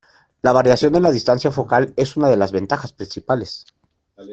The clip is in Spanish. La variación en la distancia focal es una de las ventajas principales.